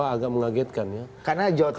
agak mengagetkan ya karena jawa tengah